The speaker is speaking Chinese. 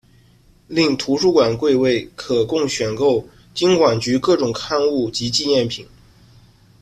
另图书馆柜位可供选购金管局各种刊物及纪念品。